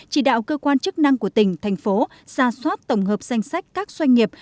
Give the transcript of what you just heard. chỉ đạo cơ quan chức năng của tỉnh thành phố ra soát tổng hợp danh sách các doanh nghiệp